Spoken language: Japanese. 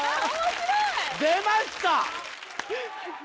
出ました！